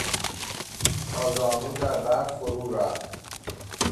تا زانو در برف فرو رفت.